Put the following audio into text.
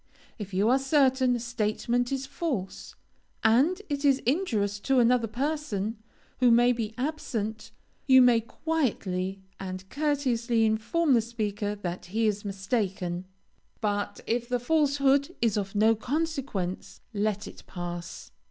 If you are certain a statement is false, and it is injurious to another person, who may be absent, you may quietly and courteously inform the speaker that he is mistaken, but if the falsehood is of no consequence, let it pass.